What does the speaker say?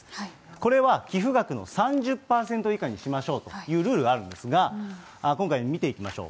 これは寄付額の３０％以下にしましょうというルールがあるんですが、今回の見ていきましょう。